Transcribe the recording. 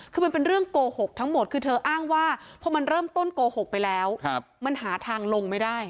คือมันเป็นเรื่องโกหกทั้งหมดคือเธออ้างว่าพอมันเริ่มต้นโกหกไปแล้วมันหาทางลงไม่ได้